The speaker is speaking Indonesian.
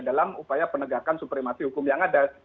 dalam upaya penegakan supremasi hukum yang ada